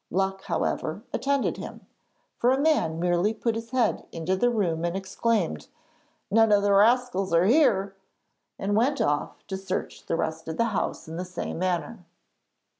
Luck, however, attended him, for a man merely put his head into the room and exclaimed, 'None of the rascals are here,' and went off to search the rest of the house in the same manner.